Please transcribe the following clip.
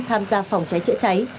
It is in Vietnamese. tham gia phòng cháy chữa cháy